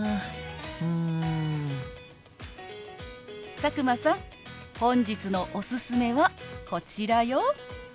佐久間さん本日のおすすめはこちらよ。